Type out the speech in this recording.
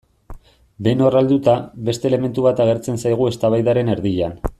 Behin horra helduta, beste elementu bat agertzen zaigu eztabaidaren erdian.